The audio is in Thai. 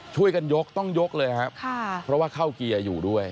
ช่วยกันยกต้องยกเลยครับค่ะเพราะว่าเข้าเกียร์อยู่ด้วย